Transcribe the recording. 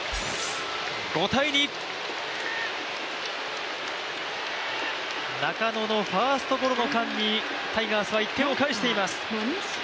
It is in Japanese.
５−２中野のファーストゴロの間にタイガースは１点を返しています。